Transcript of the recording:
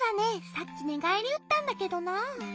さっきねがえりうったんだけどなぁ。